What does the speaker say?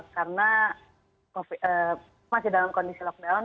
karena masih dalam kondisi lockdown